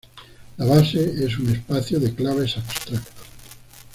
La base es un espacio de claves abstracto.